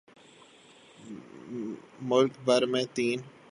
ملک بھر میں تین